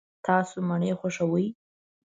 تاسو مڼې خوښوئ؟